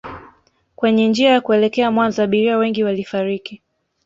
kwenye njia ya kuelekea Mwanza Abiria wengi walifariki